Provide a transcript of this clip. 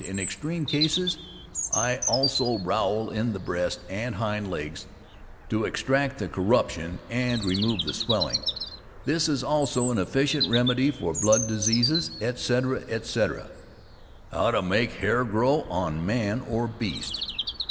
In extreme cases, I also rowel in the breast and hind legs, to extract the corruption and remove the swelling. This is also an efficient remedy for blood diseases, etc., etc. TO MAKE THE HAIR GROW ON MAN OR BEAST.